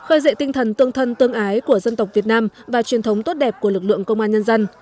khơi dậy tinh thần tương thân tương ái của dân tộc việt nam và truyền thống tốt đẹp của lực lượng công an nhân dân